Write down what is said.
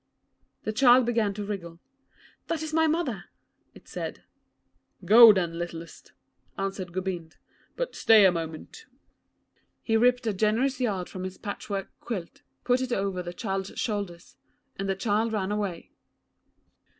The child began to wriggle. 'That is my mother,' it said. 'Go then, littlest,' answered Gobind; 'but stay a moment.' He ripped a generous yard from his patchwork quilt, put it over the child's shoulders, and the child ran away.